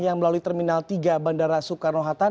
yang melalui terminal tiga bandara soekarno hatta